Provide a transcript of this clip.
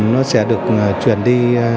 nó sẽ được chuyển đi